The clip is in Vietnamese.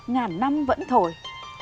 ngàn năm vẫn thổi